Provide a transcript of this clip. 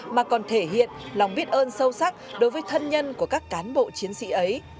mà còn thể hiện lòng biết ơn sâu sắc đối với thân nhân của các cán bộ chiến sĩ ấy